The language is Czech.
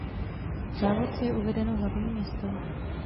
V závorce je uvedeno hlavní město.